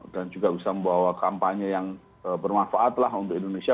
dan juga bisa membawa kampanye yang bermanfaat lah untuk indonesia